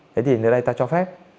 thế thì nơi đây ta cho phép